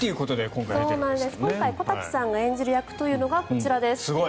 今回小瀧さんが演じる役というのがこちらです。